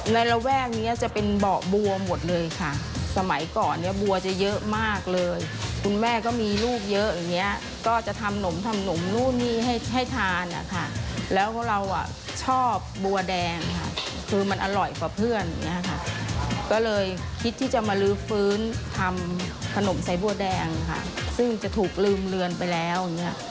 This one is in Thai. ในระแวกนี้จะเป็นเบาะบัวหมดเลยค่ะสมัยก่อนบัวจะเยอะมากเลยคุณแม่ก็มีลูกเยอะอย่างนี้ก็จะทำหนมนู้นนี่ให้ทานแล้วเราชอบบัวแดงคือมันอร่อยกว่าเพื่อนก็เลยคิดที่จะมารื้อฟื้นทำขนมสายบัวแดงซึ่งจะถูกลืมเลือนไปแล้ว